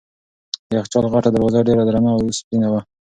د یخچال غټه دروازه ډېره درنه او سپینه وه.